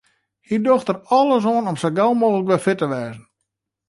Hy docht der alles oan om sa gau mooglik wer fit te wêzen.